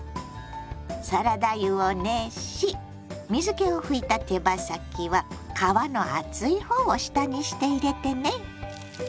サラダ油を熱し水けを拭いた手羽先は皮の厚いほうを下にして入れてね。